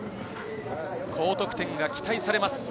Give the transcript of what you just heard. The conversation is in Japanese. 高得点が期待されます。